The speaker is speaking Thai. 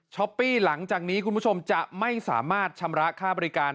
ปี้หลังจากนี้คุณผู้ชมจะไม่สามารถชำระค่าบริการ